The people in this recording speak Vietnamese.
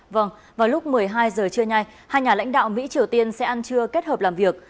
vâng vào lúc một mươi hai giờ trưa nay hai nhà lãnh đạo mỹ triều tiên sẽ ăn trưa kết hợp làm việc